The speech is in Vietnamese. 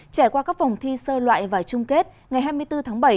trải qua các vòng thi sơ loại và chung kết ngày hai mươi bốn tháng bảy